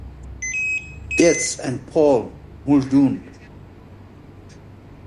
Yeats and Paul Muldoon.